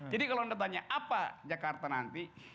jadi kalau anda tanya apa jakarta nanti